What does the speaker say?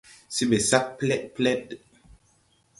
Se ɓɛ sag plɛɗplɛɗ.